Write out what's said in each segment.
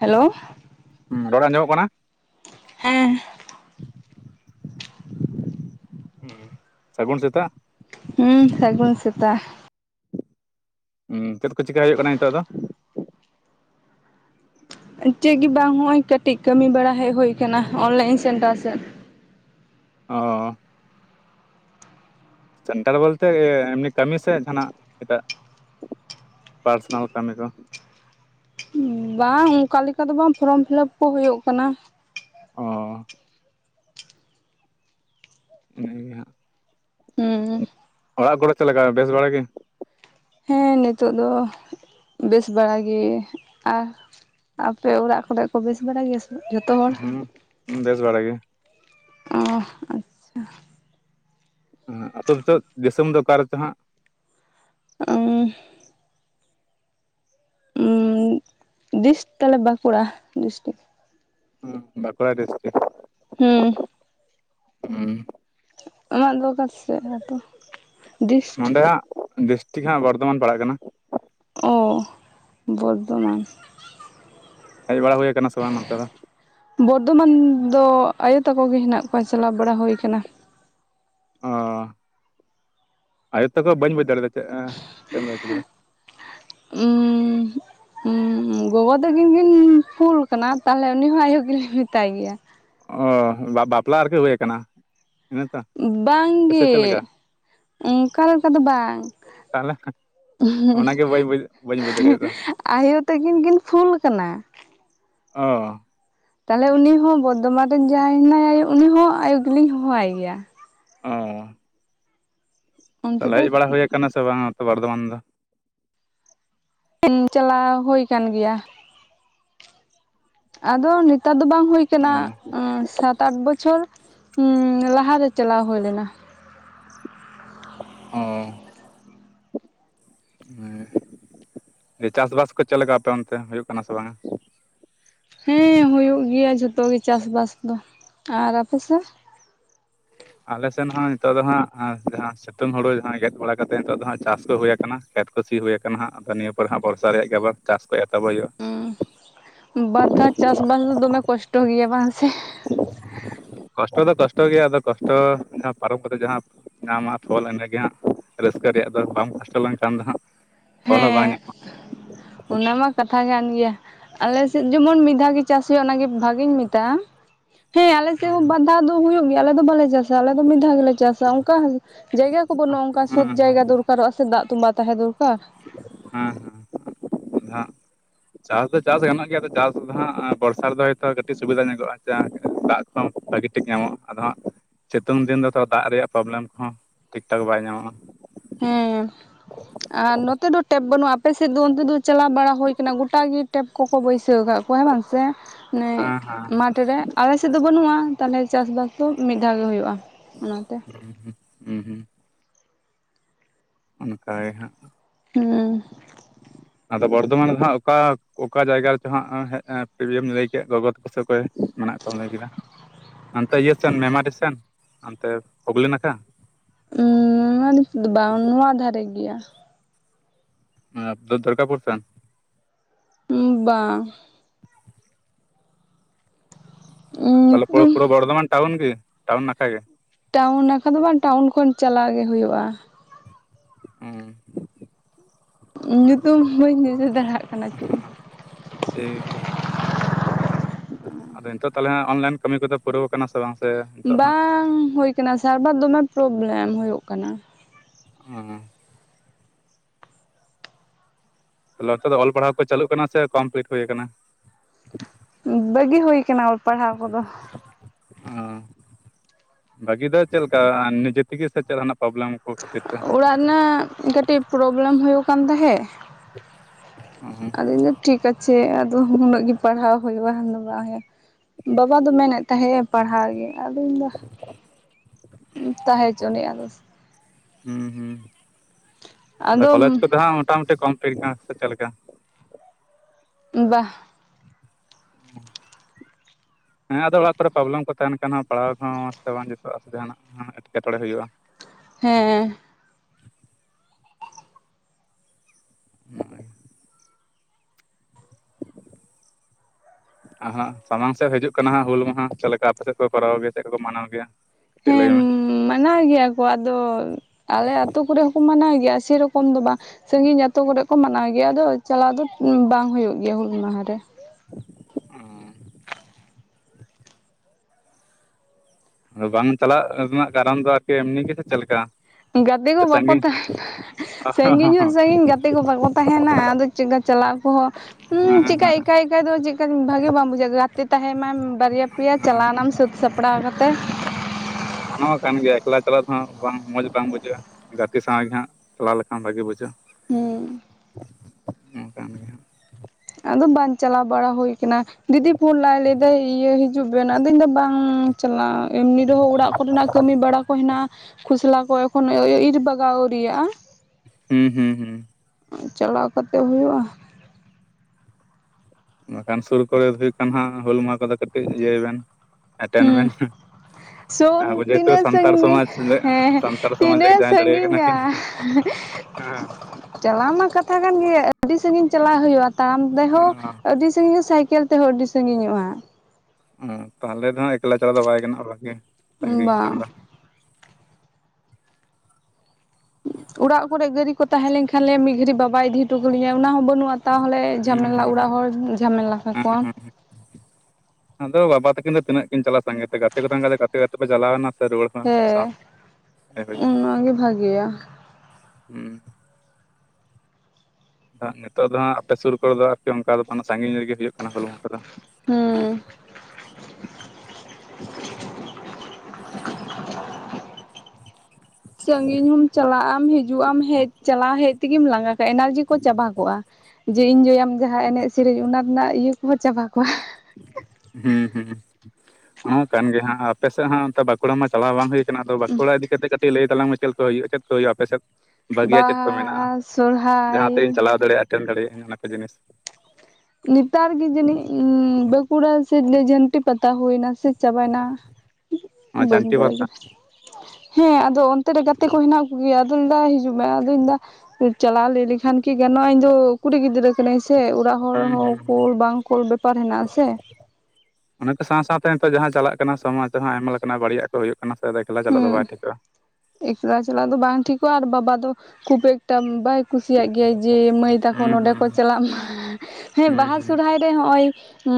Hello. ᱦᱩᱸ ᱨᱚᱲ ᱟᱸᱡᱚᱢᱚᱜ ᱠᱟᱱᱟ? ᱦᱮᱸ᱾ ᱦᱩᱸ ᱥᱟᱹᱜᱩᱱ ᱥᱮᱛᱟᱜ᱾ ᱦᱩᱸ ᱥᱟᱹᱜᱩᱱ ᱥᱮᱛᱟ᱾ ᱦᱩᱸ ᱪᱮᱫ ᱠᱚ ᱪᱮᱠᱟ ᱦᱩᱭᱩᱜ ᱠᱟᱱᱟ ᱱᱤᱛᱚᱜ ᱫᱚ? ᱪᱮᱜ ᱜᱤ ᱵᱟᱝ ᱦᱚᱸᱜ-ᱭ ᱠᱟᱹᱴᱤᱡ ᱠᱟᱹᱢᱤ ᱵᱟᱲᱟ ᱦᱮᱡ ᱦᱳᱭ ᱠᱟᱱᱟ ᱚᱱᱞᱟᱭᱤᱱ ᱥᱮᱱᱴᱟᱨ ᱥᱮᱫ᱾ ᱚ᱾ ᱥᱮᱱᱴᱟᱨ ᱵᱚᱞᱛᱮ ᱮᱢᱱᱤ ᱠᱟᱹᱢᱤ ᱥᱮ ᱡᱟᱦᱱᱟᱜ ᱮᱴᱟᱜ? ᱯᱟᱨᱥᱚᱱᱟᱞ ᱠᱟᱹᱢᱤ ᱠᱚ᱾ ᱵᱟᱝ ᱚᱱᱠᱟ ᱞᱮᱠᱟ ᱫᱚ ᱵᱟᱝ᱾ ᱯᱷᱨᱚᱢ ᱯᱷᱤᱞᱟᱯ ᱠᱚ ᱦᱩᱭᱩᱜ ᱠᱟᱱᱟ᱾ ᱚ᱾ ᱤᱱᱟᱹ ᱜᱮ ᱦᱟᱸᱜ᱾ ᱦᱩᱸ᱾ ᱚᱲᱟᱜ ᱠᱚᱨᱮ ᱪᱮᱫ ᱞᱮᱠᱟ? ᱵᱮᱥ ᱵᱟᱲᱟ ᱜᱮ᱾ ᱦᱮᱸ ᱱᱤᱛᱚᱜ ᱫᱚ ᱵᱮᱥ ᱵᱟᱲᱟ ᱜᱮ ᱟᱨ ᱟᱯᱮ ᱚᱲᱟᱜ ᱠᱚᱨᱮ ᱠᱚ ᱵᱮᱥ ᱵᱟᱲᱟᱭ ᱜᱮᱭᱟ ᱥᱮ ᱡᱷᱚᱛᱚ ᱦᱚᱲ ᱦᱩᱸ ᱵᱮᱥ ᱵᱟᱲᱟ ᱜᱮ ᱚ᱾ ᱟᱪᱪᱷᱟ ᱦᱮᱸ ᱟᱛᱚ ᱫᱤᱥᱚᱵ ᱫᱤᱥᱚᱢ ᱫᱚ ᱚᱠᱟᱨᱮᱪᱚ ᱦᱟᱸᱜ? ᱩᱸᱦ᱾ ᱩᱸᱻ ᱰᱤᱥ ᱛᱟᱦᱞᱮ ᱵᱟᱸᱠᱩᱲᱟ ᱰᱤᱥᱴᱤᱠ᱾ ᱦᱩᱸ ᱵᱟᱸᱠᱩᱲᱟ ᱰᱤᱥᱴᱤᱠ᱾ ᱦᱩᱸ᱾ ᱦᱩᱸ᱾ ᱟᱢᱟᱜ ᱫᱚ ᱚᱠᱟ ᱥᱮᱫ ᱟᱛᱳ ᱫᱤᱥᱴ ᱱᱚᱸᱰᱮ ᱦᱟᱸᱜ ᱰᱤᱥᱴᱤᱠ ᱦᱟᱸᱜ ᱵᱚᱨᱫᱷᱚᱢᱟᱱ ᱯᱟᱲᱟᱜ ᱠᱟᱱᱟ᱾ ᱚ ᱵᱚᱨᱫᱷᱚᱢᱟᱱ᱾ ᱦᱮᱡ ᱵᱟᱲᱟ ᱦᱩᱭᱩ ᱟᱠᱟᱱᱟ ᱥᱮ ᱵᱟᱝ ᱱᱚᱛᱮ ᱫᱚ? ᱵᱚᱨᱫᱷᱚᱢᱟᱱ ᱫᱚ ᱟᱭᱳ ᱛᱟᱠᱚ ᱜᱮ ᱦᱮᱱᱟᱜ ᱠᱚᱣᱟ ᱪᱟᱞᱟᱣ ᱵᱟᱲᱟ ᱦᱳᱭ ᱠᱟᱱᱟ᱾ ᱚ ᱟᱭᱳ ᱛᱟᱠᱚ ᱵᱟᱹᱧ ᱵᱩᱡᱽ ᱫᱟᱲᱮᱭᱟᱫᱟ ᱪᱮᱫ ᱮ ᱪᱮᱫ ᱮᱢ ᱞᱟᱹᱭ ᱦᱚᱪᱚ ᱠᱮᱫᱟ? ᱜᱚᱜᱚ ᱛᱟᱠᱤᱱ ᱠᱤᱱ ᱯᱷᱩᱞ ᱠᱟᱱᱟ ᱛᱟᱦᱚᱞᱮ ᱩᱱᱤ ᱦᱚᱸ ᱟᱭᱳ ᱜᱮ ᱞᱤᱞᱤᱧ ᱢᱮᱛᱟᱭ ᱜᱮᱭᱟ᱾ ᱚ ᱵᱟ-ᱵᱟᱯᱞᱟ ᱟᱨᱠᱤ ᱦᱩᱭᱩ ᱟᱠᱟᱱᱟ᱾ ᱤᱱᱟᱹ ᱛᱚ ᱵᱟᱝ ᱥᱮ ᱜᱮ ᱪᱮᱫ ᱞᱮᱠᱟ ᱚᱱᱠᱟ ᱞᱮᱠᱟ ᱫᱚ ᱵᱟᱝ᱾ ᱛᱟᱞᱦᱮ? ᱫᱟᱲᱮᱭᱟᱫᱟ ᱟᱭᱳ ᱛᱟᱠᱤᱱ ᱠᱤᱱ ᱯᱷᱩᱞ ᱟᱠᱟᱱᱟ᱾ ᱚᱻ᱾ ᱛᱟᱞᱦᱮ ᱩᱱᱤ ᱦᱚᱸ ᱵᱚᱨᱫᱷᱚᱢᱟᱱ ᱨᱮᱱ ᱡᱟᱦᱟᱸᱭ ᱦᱮᱱᱟᱭᱟ ᱩᱱᱤ ᱦᱚᱸ ᱟᱭᱳ ᱜᱮᱞᱤᱧ ᱦᱚᱦᱚᱟᱭ ᱜᱮᱭᱟ᱾ ᱚ᱾ ᱚᱱᱛᱮ ᱛᱟᱞᱦᱮ ᱫᱚ ᱦᱮᱡ ᱵᱟᱲᱟ ᱦᱩᱭᱟᱠᱟᱱᱟ ᱥᱮ ᱵᱟᱝ ᱟᱫᱚ ᱵᱚᱨᱫᱷᱚᱢᱟᱱ ᱫᱚ? ᱪᱟᱞᱟᱣ ᱦᱳᱭ ᱠᱟᱱ ᱜᱮᱭᱟ᱾ ᱟᱫᱚ ᱱᱮᱛᱟᱨ ᱫᱚ ᱵᱟᱝ ᱦᱩᱭ ᱠᱟᱱᱟ᱾ ᱚ ᱥᱟᱛ ᱟᱴ ᱵᱚᱪᱷᱚᱨ ᱞᱟᱦᱟ ᱨᱮ ᱪᱟᱞᱟᱣ ᱦᱩᱭᱞᱱᱟ᱾ ᱚᱻ ᱦᱮᱸ ᱫᱤᱭᱮ ᱪᱟᱥ ᱵᱟᱥ ᱠᱚ ᱪᱮᱫ ᱞᱮᱠᱟ ᱟᱯᱮ ᱚᱱᱛᱮ ᱦᱩᱭᱩᱜ ᱠᱟᱱᱟ ᱥᱮ ᱵᱟᱝᱟ? ᱦᱮᱸ ᱦᱳᱭᱳᱜ ᱜᱮᱭᱟ ᱡᱷᱚᱛᱚ ᱜᱮ ᱪᱟᱥ ᱵᱟᱥ ᱫᱚ ᱟᱨ ᱟᱯᱮᱥᱮᱫ ᱫᱚ? ᱟᱞᱮ ᱥᱮᱱ ᱦᱚᱸ ᱱᱤᱛᱚᱜ ᱫᱚ ᱦᱟᱸᱜ ᱡᱟᱸ ᱥᱤᱛᱩᱝ ᱦᱳᱲᱳ ᱡᱟᱦᱟᱸ ᱜᱮᱫ ᱵᱟᱲᱟ ᱠᱟᱛᱮᱫ ᱱᱤᱛᱚᱜ ᱫᱚ ᱦᱟᱸᱜ ᱪᱟᱥ ᱠᱚ ᱦᱩᱭᱭᱟ ᱟᱠᱟᱱᱟ ᱠᱷᱮᱛ ᱠᱚ ᱥᱤ ᱦᱳᱭᱟ ᱟᱠᱟᱱᱟ ᱦᱟᱸᱜ ᱟᱫᱚ ᱱᱤᱭᱟᱹ ᱯᱚᱨ ᱦᱟᱸᱜ ᱵᱚᱨᱥᱟ ᱨᱮᱭᱟᱜ ᱜᱮ ᱟᱵᱟᱨ ᱪᱟᱥ ᱠᱚ ᱮᱛᱚᱵ ᱦᱩᱭᱩᱜᱼᱟ᱾ ᱵᱟᱨ ᱫᱷᱟᱣ ᱪᱟᱥ ᱵᱟᱥ ᱫᱚ ᱫᱚᱢᱮ ᱠᱚᱥᱴᱚ ᱜᱮᱭᱟ ᱵᱟᱝ ᱥᱮ? ᱠᱚᱥᱴᱚ ᱫᱚ ᱠᱚᱥᱴᱚ ᱜᱮᱭᱟ ᱟᱫᱚ ᱠᱚᱥᱴᱚ ᱡᱟᱦᱟᱸ ᱯᱟᱨᱚᱢ ᱠᱟᱛᱮ ᱡᱟᱦᱟᱸ ᱧᱟᱢᱟ ᱯᱷᱚᱞ ᱤᱱᱟᱹᱜᱮ ᱦᱟᱸᱜ ᱨᱟᱹᱥᱠᱟᱹ ᱨᱮᱭᱟᱜ ᱫᱚ ᱵᱟᱢ ᱠᱚᱥᱴᱚ ᱞᱮᱱᱠᱷᱟᱱ ᱫᱚ ᱦᱟᱸᱜ ᱯᱷᱚᱞ ᱦᱚᱸ ᱵᱟᱝ ᱧᱟᱢᱟ ᱚᱱᱟᱢᱟ ᱠᱟᱛᱷᱟ ᱠᱟᱱ ᱜᱮᱭᱟ᱾ ᱟᱞᱮᱥᱮᱫ ᱡᱮᱢᱚᱱ ᱢᱤᱫ ᱫᱷᱟᱣ ᱜᱮ ᱪᱟᱥ ᱦᱩᱭᱩᱜᱼᱟ ᱚᱱᱟᱜᱮ ᱵᱷᱟᱜᱤᱧ ᱢᱮᱛᱟᱜᱼᱟ᱾ ᱦᱮᱸ ᱟᱞᱮᱥᱮᱫ ᱦᱚᱸ ᱵᱟ ᱫᱚ ᱦᱩᱭᱩᱜ ᱜᱮᱭᱟ ᱟᱞᱮ ᱫᱚ ᱵᱟᱞᱮ ᱪᱟᱥᱟ ᱟᱞᱮ ᱫᱚ ᱢᱤᱫ ᱫᱷᱟᱣ ᱜᱮᱞᱮ ᱪᱟᱥᱟ ᱚᱱᱠᱟᱱ ᱡᱟᱭᱜᱟ ᱠᱚ ᱵᱟᱹᱱᱩᱜᱼᱟ ᱚᱱᱠᱟ ᱥᱳᱛ ᱦᱮᱸ ᱡᱟᱭᱜᱟ ᱫᱚᱨᱠᱟᱨᱚᱜᱼᱟ ᱥᱮ ᱫᱟᱜ ᱛᱩᱸᱵᱟ ᱛᱟᱦᱮᱸ ᱫᱚᱨᱠᱟᱨ᱾ ᱦᱮᱸ ᱦᱮᱸ ᱪᱟᱥ ᱫᱚ ᱪᱟᱥ ᱜᱟᱱᱚᱜ ᱜᱮᱭᱟ ᱟᱫᱚ ᱪᱟᱥ ᱫᱚ ᱦᱟᱸᱜ ᱵᱚᱨᱥᱟ ᱨᱮᱫᱚ ᱦᱳᱭᱛᱳ ᱠᱟᱹᱴᱤᱡ ᱥᱩᱵᱤᱫᱟ ᱧᱚᱜᱚᱜᱚᱜᱼᱟ᱾ ᱵᱷᱟᱹᱜᱤ ᱴᱷᱤᱠ ᱧᱟᱢᱚᱜᱼᱟ ᱟᱫᱚ ᱦᱟᱸᱜ ᱥᱤᱛᱩᱝ ᱫᱤᱱ ᱫᱚ ᱛᱚᱲᱟ ᱫᱟᱜ ᱨᱮᱭᱟᱜ ᱯᱨᱚᱵᱞᱮᱢ ᱠᱚᱦᱚᱸ ᱴᱷᱤᱠ ᱴᱷᱟᱠ ᱵᱟᱭ ᱧᱟᱢᱚᱜᱼᱟ᱾ ᱦᱮᱸ, ᱟᱨ ᱱᱚᱛᱮ ᱫᱚ ᱴᱮᱯ ᱵᱟᱹᱱᱩᱜᱼᱟ ᱟᱯᱮ ᱥᱮᱫ ᱫᱚ ᱚᱱᱛᱮ ᱫᱚ ᱪᱟᱞᱟᱣ ᱵᱟᱲᱟ ᱦᱩᱭ ᱟᱠᱟᱱᱟ ᱜᱚᱴᱟ ᱜᱮ ᱴᱮᱯ ᱠᱚᱠᱚ ᱵᱟᱹᱭᱥᱟᱹᱣ ᱟᱠᱟᱫ ᱠᱚᱣᱟ ᱦᱮᱸ ᱵᱟᱝ ᱥᱮ ᱚᱱᱮ ᱦᱮᱸ ᱦᱮᱸ ᱢᱟᱴᱨᱮ? ᱟᱞᱮᱥᱮᱫ ᱫᱚ ᱵᱟᱹᱱᱩᱜᱼᱟ ᱛᱟᱦᱚᱞᱮ ᱪᱟᱥ ᱵᱟᱥ ᱫᱚ ᱢᱤᱫ ᱫᱷᱟᱣ ᱜᱮ ᱦᱩᱭᱩᱜᱼᱟ ᱚᱱᱟᱛᱮ᱾ [unintelligible] ᱚᱱᱠᱟ ᱜᱮ ᱦᱟᱸᱜ, ᱦᱩᱸ ᱟᱫᱚ ᱵᱚᱨᱫᱷᱚᱢᱟᱱ ᱨᱮᱫᱚ ᱦᱟᱸᱜ ᱚᱠᱟ ᱚᱠᱟ ᱡᱟᱭᱜᱟ ᱨᱮᱪᱚ ᱦᱟᱸᱜ ᱴᱷᱤᱠ ᱮᱢ ᱞᱟᱹᱭ ᱠᱮᱫ ᱜᱚᱜᱚ ᱛᱟᱠᱚ ᱥᱮ ᱚᱠᱚᱭ? ᱢᱮᱱᱟᱜ ᱠᱚ ᱞᱟᱹᱭ ᱠᱮᱫᱟ ᱚᱱᱛᱮ ᱤᱭᱟᱹ ᱥᱮᱱ ᱢᱮᱢᱟᱨᱤ ᱥᱮᱱ ᱚᱱᱛᱮ ᱦᱩᱜᱽᱞᱤ ᱱᱟᱠᱷᱟ? ᱩ ᱢᱮᱢᱟᱨᱤ ᱥᱮᱱ ᱫᱚ ᱵᱟᱝ ᱱᱚᱣᱟ ᱫᱷᱟᱨᱮ ᱜᱮᱭᱟ᱾ ᱦᱚᱸ ᱟᱫᱚ ᱫᱚᱨᱠᱟ ᱯᱩᱨ ᱥᱮᱱ? ᱵᱟᱝ, ᱛᱟᱦᱚᱞᱮ ᱯᱩᱨᱟᱹ ᱧᱩᱛᱩᱢ ᱯᱩᱨᱟᱹ ᱵᱚᱨᱫᱷᱟᱱ ᱴᱟᱣᱩᱱ ᱜᱤ ᱴᱟᱣᱩᱱ ᱱᱟᱠᱷᱟ ᱜᱮ? ᱴᱟᱣᱩᱱ ᱱᱟᱠᱷᱟ ᱫᱚ ᱵᱟᱝ ᱴᱟᱣᱩᱱ ᱠᱷᱚᱱ ᱪᱟᱞᱟᱜ ᱜᱮ ᱦᱩᱭᱩᱜᱼᱟ᱾ ᱦᱩᱸ ᱧᱩᱛᱩᱢ ᱵᱟᱹᱧ ᱫᱤᱥᱟᱹ ᱫᱟᱲᱮᱭᱟᱜ ᱠᱟᱱᱟ ᱪᱮᱫ᱾ [unintelligible] ᱟᱫᱚ ᱱᱤᱛᱚᱜ ᱛᱟᱞᱦᱮ ᱦᱟᱸᱜ ᱚᱱᱞᱟᱭᱤᱱ ᱠᱟᱹᱢᱤ ᱠᱚᱫᱚ ᱯᱩᱨᱟᱹᱣ ᱠᱟᱱᱟ ᱥᱮ ᱵᱟᱝ? ᱥᱮ ᱱᱤᱛᱚᱜ ᱦᱟᱸᱜ ᱵᱟᱝ ᱦᱩᱭ ᱟᱠᱟᱱᱟ ᱥᱟᱨᱵᱷᱟᱨ ᱫᱚᱢᱮ ᱯᱨᱚᱵᱞᱮᱢ ᱦᱩᱭᱩᱜ ᱠᱟᱱᱟ᱾ [unintelligible] ᱛᱟᱞᱦᱮ ᱱᱤᱛᱚᱜ ᱫᱚ ᱚᱞ ᱯᱟᱲᱦᱟᱣ ᱠᱚ ᱪᱟᱞᱩᱜ ᱠᱟᱱᱟ ᱥᱮ ᱠᱚᱢᱯᱤᱞᱴ ᱦᱩ ᱟᱠᱟᱱᱟ? ᱵᱟᱹᱜᱤ ᱦᱩᱭᱟᱠᱟᱱᱟ ᱚᱞ ᱯᱟᱲᱦᱟᱣ ᱠᱚᱫᱚ᱾ ᱚ ᱵᱟᱹᱜᱤ ᱫᱚ ᱪᱮᱫᱞᱮᱠᱟ ᱱᱤᱡᱮ ᱛᱮᱜᱮ ᱥᱮ ᱪᱮᱫ ᱞᱮᱠᱟᱱᱟᱜ ᱯᱨᱚᱵᱞᱮᱢ ᱠᱚ? ᱠᱷᱟᱹᱛᱤᱨ ᱛᱮ ᱚᱲᱟᱜ ᱨᱮᱱᱟᱜ ᱠᱟᱹᱴᱤᱡ ᱯᱨᱚᱵᱞᱮᱢ ᱦᱩᱭᱩᱜ ᱠᱟᱱ ᱛᱟᱦᱮᱸᱫ᱾ [inaudible] ᱟᱫᱚᱧ ᱞᱟᱹᱭᱫᱟ ᱴᱷᱤᱠ ᱟᱪᱷᱮ ᱟᱫᱚ ᱩᱱᱟᱹᱜ ᱜᱮ ᱯᱟᱲᱦᱟᱣ ᱦᱩᱭᱩᱜᱼᱟ ᱟᱫᱚ ᱵᱟᱝ ᱦᱩᱭᱩᱜᱼᱟ᱾ ᱵᱟᱵᱟ ᱫᱚ ᱢᱮᱱᱮᱫ ᱛᱟᱦᱮᱸᱫ ᱯᱟᱲᱦᱟᱣ ᱜᱮ ᱟᱫᱚ ᱤᱧ ᱫᱚ ᱛᱟᱦᱮᱸ ᱦᱚᱪᱚᱱᱤᱡ ᱟᱫᱚ᱾ ᱦᱩᱸ ᱦᱩᱸ, ᱟᱫᱚ ᱠᱚᱞᱮᱡᱽ ᱠᱚᱫᱚ ᱦᱟᱸᱜ ᱢᱚᱴᱟᱢᱩᱴᱤ ᱠᱚᱢᱯᱞᱤᱴ ᱟᱠᱟᱱᱟ ᱥᱮ ᱪᱮᱫ ᱞᱮᱠᱟ? ᱵᱟᱜᱼᱼ ᱦᱮᱸ ᱟᱫᱚ ᱚᱲᱟᱜ ᱠᱚᱨᱮ ᱯᱨᱚᱵᱮᱞᱮᱢ ᱠᱚ ᱛᱟᱦᱮᱸᱱ ᱠᱷᱟᱱ ᱦᱚᱸ ᱯᱟᱲᱦᱟᱣ ᱦᱚᱸ ᱢᱚᱡᱽ ᱛᱮ ᱵᱟᱝ ᱡᱩᱛᱩᱜᱼᱟ ᱥᱮ ᱡᱟᱦᱟᱸ ᱱᱟᱜ ᱮᱴᱠᱮᱴᱚᱬᱮ ᱦᱩᱭᱩᱜᱼᱟ ᱾ ᱦᱮᱸ ᱦᱮᱸ ᱾ ᱚᱱᱟ [inaudible] ᱚᱸᱦᱚᱜ ᱥᱟᱢᱟᱝ ᱥᱮᱫ ᱦᱤᱡᱩᱜ ᱠᱟᱱᱟ ᱦᱟᱸᱜ ᱦᱩᱞ ᱢᱟᱦᱟ ᱪᱮᱫ ᱞᱮᱠᱟ ᱟᱯᱮ ᱥᱮᱫ ᱠᱚ ᱠᱚᱨᱟᱣ ᱜᱮᱭᱟ, ᱪᱮᱫ ᱠᱚᱠᱚ ᱢᱟᱱᱟᱣ ᱜᱮᱭᱟ? ᱠᱟᱹᱴᱤᱡ ᱞᱟᱹᱭ ᱦᱮᱸᱢ ᱢᱮ ᱢᱟᱜᱼᱼ ᱢᱟᱱᱟᱣ ᱜᱮᱭᱟ ᱠᱚ ᱟᱫᱚ ᱟᱞᱮ ᱟᱹᱛᱩ ᱠᱚᱨᱮ ᱦᱚᱸᱠᱚ ᱢᱟᱱᱟᱣ ᱜᱮᱭᱟ ᱥᱮᱭᱨᱚᱠᱚᱢ ᱫᱚ ᱵᱟᱝ ᱾ ᱥᱟᱺᱜᱤᱧ ᱟᱛᱩ ᱠᱚᱨᱮ ᱠᱚ ᱢᱟᱱᱟᱣ ᱜᱮᱭᱟ ᱟᱫᱚ ᱪᱟᱞᱟᱣ ᱫᱚ ᱵᱟᱝ ᱦᱩᱭᱩᱜ ᱜᱮᱭᱟ ᱦᱩᱞ ᱢᱟᱦᱟ ᱨᱮ ᱾ ᱟᱨ [unintelligible] ᱟᱫᱚ ᱵᱟᱝ ᱪᱟᱞᱟᱜ ᱨᱮᱱᱟᱜ ᱠᱟᱨᱚᱱ ᱫᱚ ᱟᱨᱠᱤ ᱮᱢᱱᱤ ᱜᱮᱥᱮ ᱪᱮᱫ ᱞᱮᱠᱟ? ᱜᱟᱛᱮ ᱠᱚ ᱥᱮ ᱵᱟᱠᱚ ᱥᱟᱺᱜᱤᱧ ᱛᱟᱦᱮᱸᱱᱼᱼ ᱥᱟᱺᱜᱤᱧ ᱦᱚᱸ ᱦᱮᱸ ᱥᱟᱺᱜᱤᱧ ᱜᱟᱛᱮ ᱠᱚ ᱵᱟᱠᱚ ᱛᱟᱦᱮᱱᱟ ᱟᱫᱚ ᱪᱮᱠᱟᱹ ᱪᱟᱞᱟᱜ ᱟᱠᱚ ᱦᱚᱸ ᱾ ᱦᱮᱸ ᱦᱩᱸ ᱪᱮᱠᱟ ᱦᱮᱸ ᱮᱠᱟᱭ ᱮᱠᱟᱭ ᱫᱚ ᱪᱮᱫᱠᱟ ᱵᱷᱟᱜᱤ ᱵᱟᱢ ᱵᱩᱡᱷᱟᱹᱜᱼᱟ, ᱜᱟᱛᱮ ᱛᱟᱦᱮᱸ ᱢᱟᱭ ᱵᱟᱨᱭᱟ ᱯᱮᱭᱟ ᱪᱟᱞᱟᱣᱱᱟᱢ ᱥᱟᱹᱛᱼᱼ ᱥᱟᱯᱲᱟᱣ ᱠᱟᱛᱮ ᱾ ᱚᱱᱟ ᱦᱚᱸ ᱠᱟᱱ ᱜᱮᱭᱟ ᱮᱠᱞᱟ ᱪᱟᱞᱟᱜ ᱛᱮᱦᱚᱸ ᱵᱟᱝ ᱢᱚᱸᱡᱽ ᱵᱟᱝ ᱵᱩᱡᱷᱟᱹᱜᱼᱟ ᱾ ᱜᱟᱛᱮ ᱥᱟᱶ ᱜᱮ ᱦᱟᱸᱜ ᱪᱟᱞᱟᱣ ᱞᱮᱠᱷᱟᱱ ᱵᱷᱟᱜᱤ ᱵᱩᱡᱷᱟᱹᱜᱼᱟ ᱾ ᱦᱩᱸ ᱠᱟᱱ ᱜᱮ ᱾ ᱟᱫᱚ ᱵᱟᱝ ᱪᱟᱞᱟᱣ ᱵᱟᱲᱟ ᱦᱩᱭ ᱟᱠᱟᱱᱟ, ᱫᱤᱫᱤ ᱯᱷᱳᱱ ᱞᱟᱜᱼᱟᱭ ᱞᱟᱹᱭ ᱮᱫᱟᱭ ᱤᱭᱟᱹᱼᱼ ᱦᱤᱡᱩᱜ ᱵᱮᱱ ᱟᱫᱚ ᱤᱧ ᱫᱚ ᱵᱟᱝ ᱪᱟᱞᱟᱜᱼᱟ, ᱮᱢᱱᱤ ᱨᱮᱦᱚᱸ ᱚᱲᱟᱜ ᱠᱚᱨᱮᱱᱟᱜ ᱠᱟᱹᱢᱤ ᱵᱟᱲᱟ ᱠᱚ ᱦᱮᱱᱟᱜᱼᱟ ᱾ ᱠᱷᱚᱥᱞᱟ ᱠᱚ ᱮᱠᱷᱚᱱ ᱤᱨᱻ ᱵᱟᱜᱟᱣ ᱟᱹᱣᱨᱤ ᱭᱟᱜᱼᱟ ᱾ ᱦᱩᱸ ᱦᱩᱸ ᱦᱩᱸ ᱾ ᱪᱟᱞᱟᱣ ᱠᱟᱛᱮ ᱦᱩᱭᱩᱜᱼᱟ ᱾ ᱵᱟᱠᱷᱟᱱ ᱥᱩᱨ ᱠᱚᱨᱮ ᱦᱩᱭᱩᱜ ᱠᱟᱱ ᱦᱟᱸᱜ ᱦᱩᱞ ᱢᱟᱦᱟ ᱠᱚᱫᱚ ᱠᱟᱹᱴᱤᱡ ᱤᱭᱟᱹᱭ ᱵᱮᱱ ᱮᱴᱮᱱ ᱵᱮᱱ ᱦᱩᱸ ᱾ ᱟᱵᱚ ᱥᱩᱱ ᱡᱮᱦᱮᱛᱩ ᱛᱤᱱᱟᱹᱜ ᱥᱟᱱᱛᱟᱲ ᱥᱟᱺᱜᱤᱧ ᱥᱚᱢᱟᱡᱽ ᱨᱮ, ᱦᱮᱸ ᱥᱟᱱᱛᱟᱲ ᱥᱚᱢᱟᱡᱽ ᱞᱟᱹᱜᱤᱫ ᱛᱤᱱᱟᱹᱜ ᱡᱟᱦᱟᱸ ᱞᱟᱹᱲᱦᱟᱹᱭ ᱟᱠᱟᱱᱟ ᱠᱤᱱ ᱥᱟᱺᱜᱤᱧᱟ ᱾ ᱦᱸ [unintelligible] ᱪᱟᱞᱟᱣ ᱢᱟ ᱠᱟᱛᱷᱟ ᱠᱟᱱᱜᱮᱭᱟ ᱟᱹᱰᱤ ᱥᱟᱺᱜᱤᱧ ᱪᱟᱞᱟᱜ ᱦᱩᱭᱩᱜᱼᱟ, ᱛᱟᱲᱟᱢ ᱛᱮᱦᱚᱸ ᱦᱮᱸ ᱟᱹᱰᱤ ᱥᱟᱺᱜᱤᱧᱟ ᱥᱟᱭᱠᱮᱞᱼᱼ ᱛᱟᱣᱦᱚᱸ ᱟᱹᱰᱤ ᱥᱟᱺᱜᱤᱧᱚᱜᱼᱟ ᱾ ᱛᱟᱦᱚᱞᱮ ᱫᱚ ᱦᱟᱸᱜ ᱮᱠᱞᱟ ᱪᱟᱞᱟᱣ ᱫᱚ ᱵᱟᱭ ᱜᱟᱱᱚᱜᱼᱟ ᱵᱟᱠᱤ ᱥᱟᱺᱜᱤᱧ ᱜᱮ ᱠᱷᱟᱱ ᱵᱟᱝ ᱫᱚ ᱾ ᱚᱲᱟᱜ ᱠᱚᱨᱮᱜ ᱜᱟᱹᱲᱤ ᱠᱚ ᱛᱟᱦᱮᱸ ᱞᱮᱱ ᱠᱷᱟᱱ ᱞᱮ ᱢᱤᱫ ᱜᱷᱟᱹᱲᱤᱡ ᱵᱟᱵᱟᱭ ᱤᱫᱤ ᱦᱚᱴᱚ ᱠᱟᱹᱞᱤᱧᱟ ᱚᱱᱟ ᱦᱚᱸ ᱵᱟᱹᱱᱩᱜᱼᱟ ᱾ ᱛᱟᱦᱚᱞᱮ ᱦᱩᱸ ᱡᱷᱟᱢᱮᱞᱟ ᱦᱩᱸ ᱦᱩᱸ ᱚᱲᱟᱜ ᱦᱚᱲ ᱡᱷᱟᱢᱮᱞᱟ ᱦᱮᱸ ᱠᱟᱠᱚᱣᱟᱢ ᱾ ᱦᱮᱸ ᱟᱫᱚ ᱵᱟᱵᱟ ᱛᱤᱠᱤᱱ ᱫᱚ ᱛᱤᱱᱟᱹᱜ ᱠᱤᱱ ᱪᱟᱞᱟᱜᱼᱟ ᱥᱟᱸᱜᱮ ᱛᱮ, ᱜᱟᱛᱮ ᱠᱚ ᱛᱟᱦᱮᱸ ᱠᱟᱛᱮ ᱜᱟᱛᱮ ᱜᱟᱛᱮ ᱯᱮ ᱪᱟᱞᱟᱣᱮᱱᱟ ᱥᱮ ᱟᱨ ᱯᱮ ᱨᱩᱣᱟᱹᱲ ᱾ ᱦᱩᱸ ᱦᱮᱸ ᱚᱱᱟᱜᱮ ᱵᱷᱟᱜᱮᱭᱟ [unintelligible] ᱱᱤᱛᱚᱜ ᱫᱚ ᱦᱟᱸᱜ ᱟᱯᱮ ᱥᱩᱨ ᱠᱚᱨᱮ ᱫᱚ ᱟᱨᱠᱤ ᱚᱱᱠᱟ ᱫᱚ ᱵᱟᱝ ᱥᱟᱺᱜᱤᱧ ᱨᱮᱜᱮ ᱦᱩᱭᱩᱜ ᱠᱟᱱᱟ ᱦᱩᱞ ᱢᱟᱦᱟ ᱠᱚᱫᱚ ᱾ ᱦᱮᱸ ᱾ ᱥᱟᱺᱜᱤᱧ ᱮᱢ ᱪᱟᱞᱟᱜ ᱟᱢ ᱦᱤᱡᱩᱜ ᱟᱢ ᱦᱮᱡ ᱪᱟᱞᱟᱣ ᱦᱮᱡᱼᱼ ᱛᱮᱜᱮᱢ ᱞᱟᱸᱜᱟ ᱠᱟᱜᱼᱟ, ᱮᱱᱟᱨᱡᱤ ᱠᱚ ᱪᱟᱵᱟ ᱠᱚᱜᱼᱟ ᱡᱮ ᱤᱧᱡᱚᱭᱟᱢ ᱡᱟᱦᱟᱸ ᱮᱱᱮᱡ ᱥᱮᱨᱮᱧ ᱚᱱᱟ ᱤᱭᱟᱹᱼᱼ ᱚ ᱪᱟᱵᱟ ᱠᱚᱣᱟ ᱾ ᱦᱩᱸ ᱦᱩᱸ, ᱚᱱᱟᱢᱟ ᱠᱟᱱ ᱜᱮ ᱦᱟᱸᱜ ᱟᱯᱮᱥᱮᱫ ᱦᱟᱸᱜ ᱚᱱᱛᱮ ᱵᱟᱸᱠᱩᱲᱟ ᱢᱟ ᱪᱟᱞᱟᱣ ᱵᱟᱝ ᱦᱩᱭᱼᱼ ᱟᱫᱚ ᱵᱟᱸᱠᱩᱲᱟ ᱤᱫᱤ ᱠᱟᱛᱮᱜ ᱠᱟᱹᱴᱤᱡ ᱞᱟᱹᱭ ᱛᱟᱞᱟᱝ ᱢᱮ ᱪᱮᱫ ᱠᱚ ᱦᱩᱭᱩᱜᱼᱟ ᱪᱮᱫ ᱠᱚ ᱦᱩᱭᱩᱜᱼᱟ ᱟᱯᱮ ᱥᱮᱫ? ᱵᱷᱟᱹᱜᱤᱭᱟ ᱪᱮᱫ ᱠᱚ ᱢᱮᱱᱟᱜᱼᱟ, ᱵᱟᱦᱟ ᱥᱚᱨᱦᱟᱭ ᱡᱟᱦᱟᱸ ᱛᱮᱞᱤᱧ ᱪᱟᱞᱟᱣ ᱫᱟᱲᱮᱭᱟᱜᱼᱟ ᱮᱴᱮᱱ ᱫᱟᱲᱮᱭᱟᱜᱼᱟ ᱚᱱᱟ ᱠᱚ ᱡᱤᱱᱤᱥ ᱾ ᱱᱮᱛᱟᱨ ᱜᱮ ᱡᱟᱹᱱᱤᱡ ᱵᱟᱸᱠᱩᱲᱟ ᱥᱮᱫ ᱡᱷᱟᱹᱱᱴᱤ ᱯᱟᱛᱟ ᱦᱩᱭᱱᱟ ᱥᱮ ᱪᱟᱵᱟᱭᱮᱱᱟ? ᱱᱚᱣᱟ ᱵᱟᱹᱧ ᱡᱷᱟᱱᱴᱤ ᱯᱟᱛᱟ᱾ ᱵᱟᱲᱟᱭᱟ, ᱦᱮᱸ ᱟᱫᱚ ᱚᱱᱛᱮ ᱨᱮ ᱜᱟᱛᱮ ᱠᱚ ᱦᱮᱱᱟᱜ ᱠᱚᱜᱮᱭᱟ ᱾ ᱫᱚᱞᱫᱟ ᱦᱤᱡᱩᱜ ᱢᱮ ᱟᱫᱚ ᱤᱧ ᱞᱟᱹᱭᱫᱟ [unintelligible] ᱪᱟᱞᱟᱣ ᱞᱟᱹᱭ ᱞᱮᱠᱷᱟᱱ ᱠᱤ ᱜᱟᱱᱚᱜᱼᱟ ᱤᱧ ᱫᱚ ᱠᱩᱲᱤ ᱜᱤᱫᱽᱨᱟᱹ ᱠᱟᱹᱱᱟᱹᱧ ᱥᱮ ᱚᱲᱟᱜ ᱦᱚᱲ ᱦᱩᱸ ᱦᱚᱸ ᱦᱩᱸ ᱦᱩᱸ᱾ ᱠᱳᱞ ᱵᱟᱝ ᱠᱳᱞ ᱵᱮᱯᱟᱨ ᱦᱮᱱᱟᱜᱼᱟ ᱥᱮ᱾ ᱚᱱᱮ ᱠᱚ ᱥᱟᱶ ᱥᱟᱶᱛᱮ ᱱᱤᱛᱚᱜ ᱡᱟᱦᱟᱸ ᱪᱟᱞᱟᱜ ᱠᱟᱱᱟ ᱥᱚᱢᱟᱡᱽ ᱨᱮᱦᱟᱸ ᱟᱭᱢᱟ ᱞᱮᱠᱟᱱᱟᱜ ᱵᱟᱹᱲᱤᱡᱟᱜ ᱠᱚ ᱦᱩᱭᱩᱜ ᱠᱟᱱᱟ ᱥᱮ ᱟᱫᱚ ᱮᱠᱞᱟ ᱪᱟᱞᱟᱜ ᱫᱚ ᱵᱟᱭ ᱦᱩᱸ ᱴᱷᱤᱠᱚᱜᱼᱟ᱾ ᱮᱠᱞᱟ ᱪᱟᱞᱟᱣ ᱫᱚ ᱵᱟᱝ ᱴᱷᱤᱠᱚᱜᱼᱟ ᱟᱨ ᱵᱟᱵᱟ ᱫᱚ ᱠᱷᱩᱵ ᱮᱠᱴᱟ ᱵᱟᱭ ᱠᱩᱥᱤᱭᱟᱜ ᱜᱮᱭᱟᱭ ᱡᱮ ᱢᱟᱹᱭ ᱛᱟᱠᱚ ᱦᱩᱸ ᱱᱚᱸᱰᱮ ᱦᱩᱸ ᱠᱚ ᱪᱟᱞᱟᱜ ᱢᱟ ᱦᱮᱸ ᱦᱩᱸ ᱵᱟᱦᱟ ᱦᱩᱸ᱾ ᱥᱚᱨᱦᱟᱭ ᱨᱮ ᱦᱚᱸᱜᱼᱚᱭ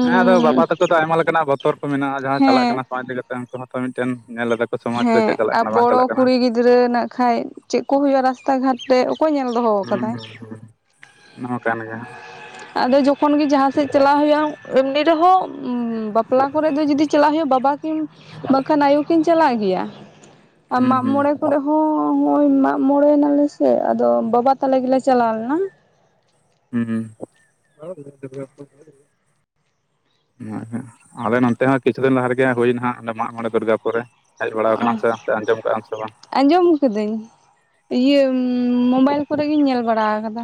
ᱦᱮᱸ ᱟᱫᱚ ᱵᱟᱵᱟ ᱛᱟᱠᱚ ᱫᱚ ᱟᱭᱢᱟ ᱞᱮᱠᱟᱱᱟᱜ ᱵᱚᱛᱚᱨ ᱠᱚ ᱢᱮᱱᱟᱜᱼᱟ᱾ ᱡᱟᱦᱟᱸ ᱪᱟᱞᱟᱜ ᱦᱮᱸ ᱠᱟᱱᱟ ᱥᱚᱢᱟᱡᱽ ᱤᱫᱤ ᱠᱟᱛᱮ ᱩᱱᱠᱩ ᱦᱚᱸᱛᱚ ᱢᱤᱫᱴᱮᱱ ᱧᱮᱞ ᱞᱮᱟ ᱠᱚ᱾ ᱦᱮᱸ ᱟᱨ ᱵᱚᱲᱚ ᱠᱩᱲᱤ ᱜᱤᱫᱽᱨᱟᱹ ᱱᱟᱜᱠᱷᱟᱱᱡ ᱪᱮᱫ ᱠᱚ ᱦᱩᱭᱩᱜᱼᱟ ᱨᱟᱥᱛᱟ ᱜᱷᱟᱴ ᱨᱮ ᱚᱠᱚᱭ ᱧᱮᱞ ᱫᱚᱦᱚ ᱦᱩᱸ ᱟᱠᱟᱫᱟᱭ ᱦᱩᱸ ᱦᱩᱸ ᱚᱱᱟ ᱦᱚᱸᱠᱟᱱ ᱜᱮᱭᱟ ᱦᱟᱸᱜ᱾ ᱟᱫᱚ ᱡᱚᱠᱷᱚᱱ ᱜᱮ ᱡᱟᱦᱟᱸ ᱥᱮᱫ ᱪᱟᱞᱟᱣ ᱦᱩᱭᱩᱜᱼᱟ ᱮᱢᱱᱤ ᱨᱮᱦᱚᱸ ᱵᱟᱯᱞᱟ ᱠᱚᱨᱮ ᱫᱚ ᱡᱩᱫᱤ ᱪᱟᱞᱟᱜ ᱦᱩᱭᱩᱜ-ᱟ ᱵᱟᱵᱟ ᱠᱤᱱ ᱵᱟᱝᱠᱷᱟᱱ ᱟᱭᱳ ᱠᱤᱱ ᱪᱟᱞᱟᱜ ᱜᱮᱭᱟ ᱟᱨ ᱦᱩᱸ ᱢᱟᱜᱽ ᱢᱚᱬᱮ ᱦᱩᱸ ᱠᱚᱨᱮᱜ ᱦᱚᱸ ᱦᱚᱜ ᱚᱭ ᱢᱟᱜᱢᱚᱬᱮ ᱱᱟᱞᱮ ᱥᱨᱴᱮ ᱟᱫᱚ ᱵᱟᱵᱟ ᱛᱟᱞᱮ ᱜᱮᱞᱮ ᱪᱟᱞᱟᱣ ᱞᱮᱱᱟ᱾ ᱦᱩᱸ᱾ ᱟᱞᱮ ᱱᱚᱛᱮ ᱦᱚᱸ ᱠᱤᱪᱷᱩ ᱫᱤᱱ ᱞᱟᱦᱟ ᱨᱮᱜᱮ ᱦᱩᱭᱱᱟ ᱦᱟᱸᱜ ᱚᱸᱰᱮ ᱢᱟᱜ ᱢᱚᱬᱮ ᱫᱩᱨᱜᱟᱯᱩᱨ ᱨᱮ᱾ ᱦᱮᱡ ᱵᱟᱲᱟᱣ ᱟᱠᱟᱱᱟᱢ ᱥᱮ ᱟᱸᱡᱚᱢ ᱠᱟᱜᱼᱟᱢ ᱥᱮ ᱵᱟᱝ? ᱟᱸᱡᱚᱢ ᱟᱠᱟᱹᱫᱟᱹᱧ᱾ ᱤᱭᱟᱹ ᱢᱚᱵᱟᱭᱤᱞ ᱠᱚᱨᱮᱜᱤᱧ ᱧᱮᱞ ᱵᱟᱲᱟ ᱟᱠᱟᱫᱟ᱾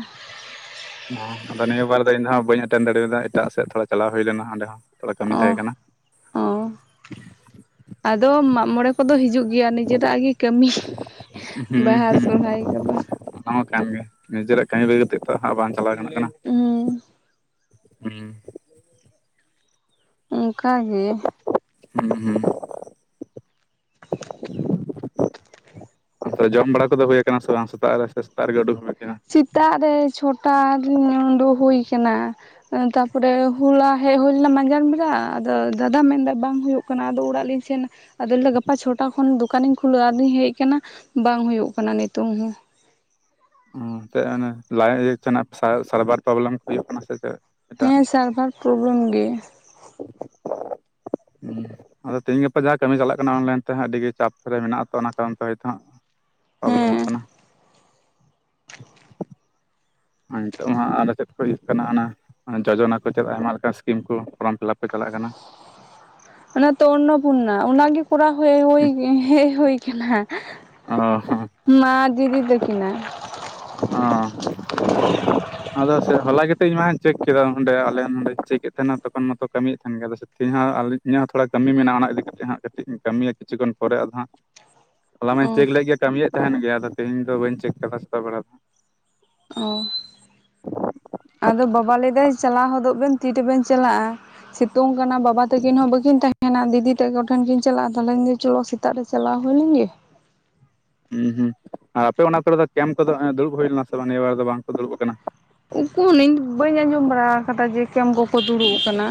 ᱦᱚᱸ ᱟᱫᱚ ᱱᱤᱭᱟᱹ ᱵᱟᱨ ᱫᱚ ᱤᱧ ᱫᱚ ᱦᱟᱸᱜ ᱵᱟᱹᱧ ᱮᱴᱮᱱᱰ ᱫᱟᱲᱮᱫᱟ ᱮᱴᱟᱜ ᱥᱮᱫ ᱛᱷᱚᱲᱟ ᱪᱟᱞᱟᱣ ᱦᱩᱭ ᱞᱮᱱᱟ ᱚᱸᱰᱮ ᱦᱚᱸ᱾ ᱛᱷᱚᱲᱟ ᱠᱟᱹᱢᱤ ᱛᱟᱦᱮᱸ ᱚ᱾ ᱠᱟᱱᱟ ᱚ᱾ ᱟᱫᱚ ᱢᱟᱜᱢᱚᱬᱮ ᱠᱚᱫᱚ ᱦᱤᱡᱩᱜ ᱜᱮᱭᱟ ᱱᱤᱡᱮᱨᱟᱜ ᱟᱜᱤ ᱠᱟᱹᱢᱤ ᱦᱩᱸ ᱵᱟᱦᱟ ᱦᱩᱸ ᱥᱚᱨᱦᱟᱭ ᱠᱚᱫᱚ᱾ ᱚᱱᱟ ᱢᱟ ᱠᱟᱱ ᱜᱮᱭᱟ᱾ᱱᱤᱡᱮᱨᱟᱜ ᱠᱟᱹᱢᱤ ᱵᱟᱹᱜᱤ ᱠᱟᱛᱮᱜ ᱛᱚ ᱦᱟᱸᱜ ᱵᱟᱝ ᱪᱟᱞᱟᱣ ᱜᱟᱱᱚᱜ ᱠᱟᱱᱟ᱾ ᱦᱩᱸ᱾ ᱦᱩᱸ᱾ ᱚᱝᱠᱟ ᱜᱮ᱾ ᱦᱩᱸ᱾ ᱛᱚ ᱡᱚᱢ ᱵᱟᱲᱟ ᱠᱚᱫᱚ ᱦᱩᱭ ᱠᱟᱱᱟ ᱥᱮ ᱵᱟᱝ ᱥᱮᱛᱟᱜ ᱨᱮ ᱥᱮ ᱥᱮᱛᱟᱜ ᱨᱮᱜᱮ ᱩᱰᱩᱠ ᱦᱩᱭ ᱠᱟᱱᱟ? ᱥᱮᱛᱟᱜ ᱨᱮ ᱪᱷᱚᱴᱟ ᱨᱤᱧ ᱩᱰᱩᱜ ᱦᱩᱭ ᱠᱟᱱᱟ᱾ ᱛᱟᱯᱚᱨᱮ ᱦᱚᱞᱟ ᱦᱮᱡ ᱦᱩᱭ ᱞᱮᱱᱟ ᱢᱟᱡᱟᱱ ᱵᱮᱲᱟ᱾ ᱟᱫᱚ ᱫᱟᱫᱟ ᱢᱮᱱᱫᱟᱭ ᱵᱟᱝ ᱦᱩᱭᱩᱜ ᱠᱟᱱᱟ ᱟᱫᱚ ᱚᱲᱟᱜ ᱞᱤᱧ ᱥᱮᱱ ᱱᱟ ᱟᱫᱚ ᱞᱮᱭ ᱫᱟ ᱜᱟᱯᱟ ᱪᱷᱚᱴᱟ ᱠᱷᱚᱱ ᱫᱚᱠᱟᱱᱤᱧ ᱠᱷᱩᱞᱟᱹᱣ ᱟᱫᱚᱧ ᱦᱮᱡ ᱠᱟᱱᱟ᱾ ᱵᱟᱝ ᱦᱩᱭᱩᱜ ᱠᱟᱱᱟ ᱱᱤᱛᱳᱝ ᱦᱚᱸ᱾ ᱚ ᱪᱮᱫ ᱚᱱᱮ ᱞᱟᱭ ᱤᱭᱟᱹ ᱛᱮᱱᱟᱜ ᱥᱟᱭ ᱥᱟᱨᱵᱷᱟᱨ ᱯᱨᱚᱵᱽᱞᱮᱢ ᱦᱩᱭᱩᱜ ᱠᱟᱱᱟ ᱥᱮ ᱪᱮᱫ? ᱮᱴᱟᱜ ᱦᱮᱸ ᱥᱟᱨᱵᱷᱟᱨ ᱯᱨᱚᱵᱞᱮᱢ ᱜᱮ᱾ ᱦᱩᱸ᱾ ᱟᱫᱚ ᱛᱤᱦᱤᱧ ᱜᱟᱯᱟ ᱡᱟ ᱠᱟᱹᱢᱤ ᱪᱟᱞᱟᱜ ᱠᱟᱱᱟ ᱚᱱᱞᱟᱭᱤᱱ ᱛᱮ ᱦᱟᱸᱜ᱾ ᱟᱹᱰᱤ ᱜᱮ ᱪᱟᱯ ᱨᱮ ᱢᱮᱱᱟᱜ ᱟᱛᱚ ᱚᱱᱟ ᱠᱟᱨᱚᱱ ᱛᱮ ᱦᱟᱸᱜ ᱯᱨᱚᱵᱞᱮᱢᱚᱜ ᱦᱮᱸ ᱠᱟᱱᱟ᱾ ᱟᱨ ᱱᱤᱛᱚᱜ ᱢᱟ ᱦᱟᱸᱜ ᱟᱨ ᱪᱮᱫ ᱠᱚ ᱤᱭᱟᱹᱜ ᱠᱟᱱᱟ ᱚᱱᱟ ᱡᱚᱡᱚᱱᱟ ᱠᱚ ᱪᱮᱫ ᱟᱭᱢᱟ ᱞᱮᱠᱟᱱ ᱥᱠᱤᱢ ᱠᱚ, ᱯᱷᱨᱚᱢ ᱯᱷᱤᱞᱟᱯ ᱠᱚ ᱪᱟᱞᱟᱜ ᱠᱟᱱᱟ᱾ ᱚᱱᱟ ᱛᱚ ᱚᱱᱱᱚᱯᱩᱨᱱᱟ ᱚᱱᱟᱜᱮ ᱠᱚᱨᱟᱣ ᱦᱮᱡ ᱦᱩᱭ ᱦᱮᱡ ᱦᱩᱭ ᱠᱟᱱᱟ᱾ ᱚ ᱦᱚᱸ᱾ ᱢᱟ ᱫᱤᱫᱤ ᱛᱟᱠᱤᱱᱟᱜ᱾ ᱚ᱾ ᱟᱫᱚ ᱥᱮ ᱦᱚᱞᱟ ᱜᱮᱛᱚ ᱠᱟᱛᱮ ᱤᱧ ᱢᱟ ᱦᱟᱧ ᱪᱮᱠ ᱠᱮᱫᱟ ᱚᱸᱰᱮ ᱟᱞᱮ ᱱᱚᱸᱰᱮ ᱪᱮᱠᱮᱫ ᱛᱟᱦᱮᱱᱟ ᱛᱚᱠᱷᱚᱱ ᱢᱟᱛᱚ ᱠᱟᱹᱢᱤᱭᱮᱫ ᱛᱟᱦᱮᱱ ᱜᱮ ᱟᱞᱮ ᱥᱮᱫ ᱛᱮᱦᱤᱧ ᱦᱚᱸ ᱟᱞᱤᱡ ᱤᱧᱟᱹᱜ ᱦᱚᱸ ᱛᱷᱚᱲᱟ ᱠᱟᱹᱢᱤ ᱢᱮᱱᱟᱜᱼᱟ ᱚᱱᱟ ᱤᱫᱤ ᱠᱟᱛᱮᱜ ᱦᱟᱸᱜ ᱠᱟᱹᱴᱤᱡ ᱤᱧ ᱠᱟᱹᱢᱤᱭᱟ ᱠᱤᱪᱷᱩ ᱜᱟᱱ ᱯᱚᱨᱮ ᱟᱫᱚ ᱦᱟᱸᱜ ᱦᱚᱞᱟ ᱢᱟᱧ ᱚ ᱪᱮᱠ ᱞᱮᱜ ᱜᱮᱭᱟ ᱠᱟᱢᱤᱭᱮᱫ ᱛᱟᱦᱮᱱ ᱜᱮᱭᱟ ᱟᱫᱚ ᱛᱮᱦᱮᱧ ᱫᱚ ᱵᱟᱹᱧ ᱪᱮᱠ ᱠᱟᱫᱟ ᱥᱮᱛᱟᱜ ᱵᱮᱲᱟ ᱫᱚ᱾ ᱚ ᱟᱫᱚ ᱵᱟᱵᱟ ᱞᱟᱹᱭᱫᱟᱭ ᱪᱟᱞᱟᱣ ᱦᱚᱫᱚᱜ ᱵᱮᱱ ᱛᱤ ᱨᱮᱵᱮᱱ ᱪᱟᱞᱟᱜᱼᱟ᱾ ᱥᱤᱛᱩᱝ ᱠᱟᱱᱟ ᱵᱟᱵᱟ ᱛᱟᱹᱠᱤᱱ ᱦᱚᱸ ᱵᱟᱹᱠᱤᱱ ᱛᱟᱦᱮᱱᱟ ᱫᱤᱫᱤ ᱛᱟᱠᱚ ᱴᱷᱮᱱ ᱠᱤᱱ ᱪᱟᱞᱟᱜᱼᱟ ᱛᱟᱦᱚᱞᱮᱧ ᱪᱚᱞᱚ ᱥᱤᱛᱩᱝᱼᱼ ᱥᱮᱛᱟᱜ ᱨᱮ ᱪᱟᱞᱟᱣ ᱦᱩᱭ ᱞᱮᱱ ᱜᱮ ᱦᱩᱸ ᱦᱩᱸ ᱟᱯᱮ ᱚᱱᱟ ᱠᱚᱨᱮ ᱫᱚ ᱠᱮᱢᱯ ᱠᱚᱫᱚ ᱫᱩᱲᱩᱵ ᱦᱩᱭ ᱞᱮᱱᱟ ᱥᱮ ᱵᱟᱝ ᱱᱤᱭᱟᱹ ᱵᱟᱨ ᱫᱚ ᱵᱟᱝ ᱠᱚ ᱫᱩᱲᱩᱵ ᱠᱟᱱᱟ ᱩᱠᱩᱨ ᱤᱧ ᱵᱟᱹᱧ ᱟᱸᱡᱚᱢ ᱵᱟᱲᱟ ᱠᱟᱫᱟ ᱡᱮ ᱠᱮᱢ ᱠᱚᱠᱚ ᱫᱩᱲᱩᱵ ᱠᱟᱱᱟ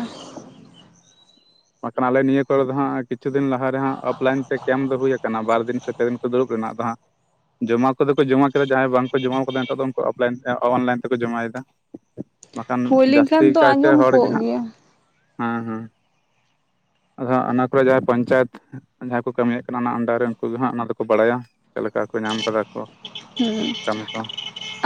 ᱵᱟᱝ ᱠᱷᱟᱱ ᱟᱞᱮ ᱱᱤᱭᱟᱹ ᱠᱚᱨᱮ ᱫᱚ ᱦᱟᱸᱜ ᱠᱤᱪᱷᱩ ᱫᱤᱱ ᱞᱟᱦᱟ ᱨᱮ ᱦᱟᱸᱜ ᱚᱯᱷᱞᱟᱭᱤᱱ ᱛᱮ ᱠᱮᱢ ᱫᱚ ᱦᱩᱭ ᱠᱟᱱᱟ ᱵᱟᱨ ᱫᱤᱱ ᱥᱮᱼᱼ ᱯᱮ ᱫᱤᱱ ᱠᱚ ᱫᱩᱲᱩᱵ ᱞᱮᱱᱟ ᱟᱫᱚ ᱦᱟᱸᱜ ᱡᱚᱢᱟ ᱠᱚᱫᱚ ᱠᱚ ᱡᱚᱢᱟ ᱠᱮᱫᱟ ᱡᱟᱦᱟᱸᱭ ᱵᱟᱝ ᱠᱚ ᱡᱚᱢᱟ ᱠᱟᱫᱟ ᱱᱤᱛᱚᱜ ᱫᱚ ᱩᱱᱠᱩ ᱚᱯᱞᱟᱭᱤᱱ ᱚᱱᱞᱟᱭᱤᱱ ᱛᱮᱠᱚ ᱡᱚᱢᱟᱭ ᱮᱫᱟ ᱵᱟᱠᱷᱟᱱ ᱦᱩᱭ ᱡᱟᱥᱛᱤ ᱞᱮᱱᱠᱷᱟᱱ ᱫᱚ ᱠᱟᱭᱛᱮ ᱟᱸᱡᱚᱢ ᱦᱚᱲ ᱜᱮ ᱠᱚᱜ ᱦᱟᱸᱜ ᱜᱮᱭᱟ ᱦᱮᱸ ᱦᱮᱸ ᱟᱫᱚ ᱦᱟᱸᱜ ᱚᱱᱟ ᱠᱚᱨᱮ ᱡᱟᱦᱟᱸᱭ ᱯᱚᱧᱪᱟᱭᱮᱛ ᱡᱟᱦᱟᱸᱭ ᱠᱚ ᱠᱟᱹᱢᱤᱭᱮᱫ ᱠᱟᱱᱟ ᱚᱱᱟ ᱟᱱᱰᱟᱨ ᱨᱮ ᱩᱱᱠᱩ ᱜᱮ ᱦᱟᱸᱜ ᱚᱱᱟ ᱫᱚᱠᱚ ᱵᱟᱲᱟᱭᱟ ᱪᱮᱫ ᱞᱮᱠᱟ ᱠᱚ ᱧᱟᱢ ᱠᱟᱫᱟ ᱠᱚ ᱠᱟᱢᱤ ᱠᱚ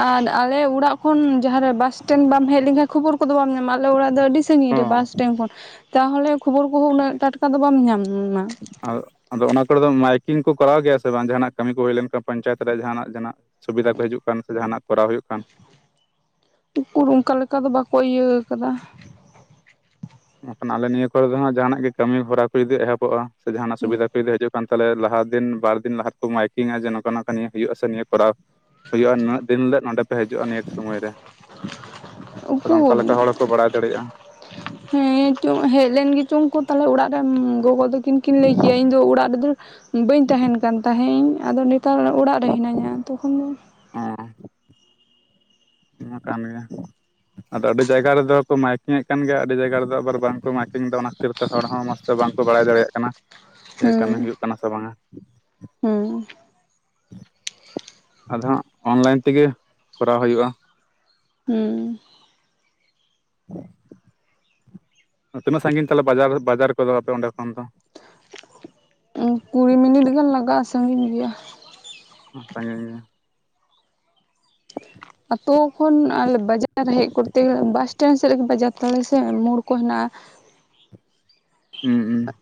ᱟᱨ ᱟᱞᱮ ᱚᱲᱟᱜ ᱠᱷᱚᱱ ᱡᱟᱦᱟᱸ ᱨᱮ ᱵᱟᱥ ᱥᱴᱮᱱ ᱵᱟᱢ ᱦᱮᱡ ᱞᱮᱱᱠᱷᱟᱱ ᱠᱷᱚᱵᱚᱨ ᱠᱚᱫᱚ ᱵᱟᱢ ᱧᱟᱢᱟ ᱟᱞᱮ ᱚᱲᱟᱜ ᱫᱚ ᱟᱹᱰᱤ ᱥᱟᱺᱜᱤᱧ ᱨᱮ ᱦᱚᱸ ᱵᱟᱥᱼᱼ [unintelligible] ᱠᱷᱚᱱ ᱛᱟᱦᱚᱞᱮ ᱠᱷᱚᱵᱚᱨ ᱠᱚᱦᱚᱸ ᱩᱱᱟᱹᱜ ᱴᱟᱴᱠᱟ ᱫᱚ ᱵᱟᱢ ᱧᱟᱢᱟ ᱟᱨ ᱟᱫᱚ ᱚᱱᱟ ᱠᱚᱨᱮ ᱫᱚ ᱢᱟᱭᱠᱤᱝ ᱠᱚ ᱠᱚᱨᱟᱣ ᱜᱮᱭᱟ ᱥᱮ ᱵᱟᱝ ᱡᱟᱦᱟᱱᱟᱜ ᱠᱟᱢᱤ ᱠᱚ ᱦᱩᱭ ᱞᱮᱱ ᱠᱷᱟᱱ ᱯᱚᱧᱪᱟᱭᱮᱛ ᱨᱮ ᱡᱟᱦᱱᱟᱜ ᱡᱟᱦᱱᱟᱜᱼᱼ ᱥᱩᱵᱤᱫᱷᱟ ᱠᱚ ᱦᱤᱡᱩᱜ ᱠᱟᱱ ᱥᱮ ᱡᱟᱦᱟᱱᱟᱜ ᱠᱚᱨᱟᱣ ᱦᱩᱭᱩᱜ ᱠᱟᱱ ᱩᱠᱩᱨ ᱚᱱᱠᱟ ᱞᱮᱠᱟ ᱫᱚ ᱵᱟᱠᱚ ᱤᱭᱟᱹ ᱠᱟᱫᱟ ᱢᱮᱱ ᱠᱷᱟᱱ ᱟᱞᱮ ᱱᱤᱭᱟᱹ ᱠᱚᱨᱮ ᱫᱚ ᱦᱟᱸᱜ ᱡᱟᱦᱟᱱᱟᱜ ᱜᱮ ᱠᱟᱹᱢᱤ ᱦᱚᱨᱟ ᱠᱚ ᱡᱩᱫᱤ ᱮᱦᱚᱵᱚᱜᱼᱟ ᱥᱮ ᱡᱟᱦᱟᱱᱟᱜ ᱥᱩᱵᱤᱫᱷᱟ ᱠᱚ ᱦᱤᱡᱩᱜ ᱛᱟᱦᱚᱞᱮ ᱞᱟᱦᱟ ᱫᱤᱱ ᱵᱟᱨ ᱫᱤᱱ ᱞᱟᱦᱟ ᱛᱮᱠᱚ ᱢᱟᱭᱠᱤᱝᱟ ᱡᱮ ᱱᱚᱝᱠᱟ ᱱᱚᱝᱠᱟ ᱱᱤᱭᱟᱹ ᱦᱩᱭᱩᱜᱼᱟ ᱥᱮ ᱱᱤᱭᱟᱹ ᱠᱚᱨᱟᱣᱼᱼ ᱦᱩᱭᱩᱜᱼᱟ ᱱᱤᱱᱟᱹᱜ ᱫᱤᱱ ᱦᱤᱞᱳᱜ ᱱᱚᱰᱮ ᱯᱮ ᱦᱤᱡᱩᱜᱼᱟ ᱱᱤᱭᱟᱹ ᱥᱚᱢᱚᱭ ᱨᱮ ᱛᱟᱦᱚᱞᱮ ᱚᱱᱠᱟ ᱩᱠᱩᱨ ᱞᱮᱠᱟ ᱦᱚᱲ ᱦᱚᱸᱠᱚ ᱵᱟᱲᱟᱭ ᱫᱟᱲᱮᱭᱟᱜᱼᱟ ᱦᱮᱸ ᱪᱚᱝ ᱦᱮᱡ ᱞᱮᱱ ᱜᱮᱪᱚᱝ ᱠᱚ ᱛᱟᱦᱞᱮ ᱚᱲᱟᱜ ᱨᱮᱱ ᱜᱚᱜᱚ ᱛᱟᱹᱠᱤᱱ ᱠᱤᱱ ᱞᱟᱹᱭ ᱠᱮᱭᱟ ᱤᱧ ᱫᱚ ᱚᱲᱟᱜ ᱨᱮᱫᱚᱼᱼ ᱵᱟᱹᱧ ᱛᱟᱦᱮᱱ ᱠᱟᱱ ᱛᱟᱦᱮᱸ ᱤᱧ ᱟᱫᱚ ᱱᱮᱛᱟᱨ ᱚᱲᱟᱜ ᱨᱮ ᱦᱤᱱᱟᱹᱧᱟ ᱛᱚᱠᱷᱚᱱ ᱫᱚ ᱦᱮᱸ ᱢᱟ ᱠᱟᱹᱢᱤ ᱢᱮ ᱟᱫᱚ ᱟᱹᱰᱤ ᱡᱟᱭᱜᱟ ᱨᱮᱫᱚ ᱠᱚ ᱢᱟᱭᱠᱤᱝ ᱮᱫ ᱠᱟᱱ ᱜᱮᱭᱟ ᱟᱹᱰᱤ ᱡᱟᱭᱜᱟ ᱨᱮᱫᱚ ᱟᱵᱟᱨ ᱵᱟᱝ ᱠᱚ ᱢᱟᱭᱠᱤᱝ ᱮᱫᱟ ᱚᱱᱟ ᱠᱷᱟᱹᱛᱤᱨ ᱡᱚᱛᱚ ᱦᱚᱲ ᱦᱚᱸ ᱢᱚᱡᱽ ᱛᱮ ᱵᱟᱝ ᱠᱚ ᱵᱟᱲᱟᱭ ᱫᱟᱲᱮᱭᱟᱜ ᱠᱟᱱᱟ ᱡᱮ ᱠᱟᱹᱢᱤ ᱦᱩᱭᱩᱜ ᱠᱟᱱᱟ ᱥᱮ ᱵᱟᱝᱟ ᱦᱮᱸ ᱟᱫᱚ ᱦᱟᱸᱜ ᱚᱱᱞᱟᱭᱤᱱ ᱛᱮᱜᱮ ᱠᱚᱨᱟᱣ ᱦᱩᱭᱩᱜᱼᱟ ᱦᱮᱸ ᱛᱤᱱᱟᱹᱜ ᱥᱟᱺᱜᱤᱧ ᱛᱟᱞᱮ ᱵᱟᱡᱟᱨ ᱵᱟᱡᱟᱨ ᱠᱚᱫᱚ ᱟᱯᱮ ᱚᱸᱰᱮ ᱠᱷᱚᱱ ᱫᱚᱼᱼ ᱠᱩᱲᱤ ᱢᱤᱱᱤᱴ ᱜᱟᱱ ᱞᱟᱜᱟᱜᱼᱟ ᱥᱟᱺᱜᱤᱧ ᱜᱮᱭᱟ [unintelligible] ᱟᱛᱳ ᱠᱷᱚᱱ ᱟᱞᱮ ᱵᱟᱡᱟᱨ ᱦᱮᱡ ᱠᱚᱨᱛᱮ ᱜᱮᱞᱮ ᱵᱟᱥᱴᱮᱱᱰ ᱥᱮᱫ ᱨᱮᱜᱮ ᱵᱟᱡᱟᱨ ᱛᱟᱞᱮ ᱥᱮ ᱢᱳᱲ ᱠᱚ ᱦᱮᱱᱟᱜᱼᱟ ᱦᱩᱸ ᱦᱩᱸ